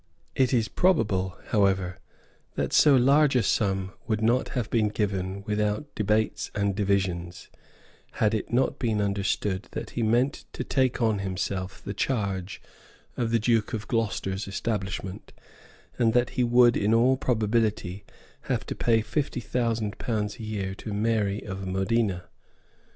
It is probable, however, that so large a sum would not have been given without debates and divisions, had it not been understood that he meant to take on himself the charge of the Duke of Gloucester's establishment, and that he would in all probability have to pay fifty thousand pounds a year to Mary of Modena.